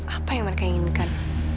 apa yang mereka inginkan